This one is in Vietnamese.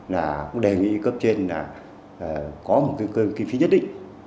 là cũng đề nghị cấp trên là có một cái cơ kinh phí nhất định